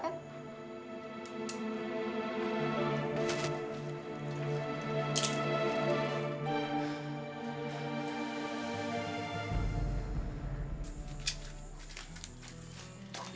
rumahnya pak haji rahmat